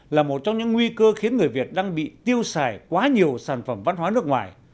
là một trong những nguy cơ khiến người việt đang bị tiêu xài quá nhiều sản phẩm văn hóa nước ngoài